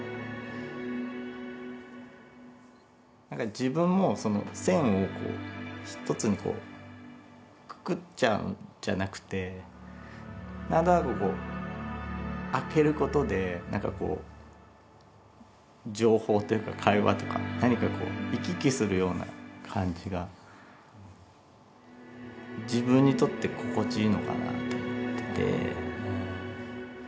自分もその線を一つにこうくくっちゃうんじゃなくてなんとなくこうあけることでなんかこう情報というか会話とか何か行き来するような感じが自分にとって心地いいのかなと思ってて。